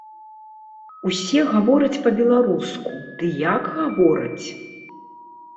Усе гавораць па-беларуску, ды як гавораць!